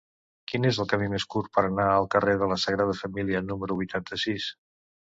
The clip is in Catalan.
Quin és el camí més curt per anar al carrer de la Sagrada Família número vuitanta-sis?